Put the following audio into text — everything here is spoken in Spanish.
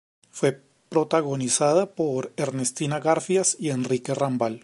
Fue protagonizada por Ernestina Garfias y Enrique Rambal.